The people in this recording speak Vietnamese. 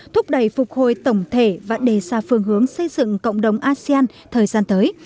thúc đẩy phục hồi tổng thể và đề xa phương hướng xây dựng cộng đồng asean thời gian tới